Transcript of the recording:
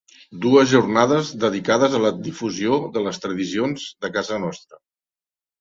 Dues jornades dedicades a la difusió de les tradicions de casa nostra.